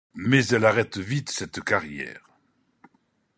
Mais elle arrête vite cette carrière.